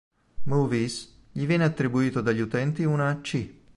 Movies" gli viene attribuito dagli utenti una "C".